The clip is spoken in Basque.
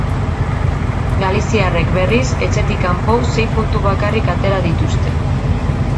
Galiziarrak, berriz, etxetik kanpo sei puntu bakarrik atera dituzte.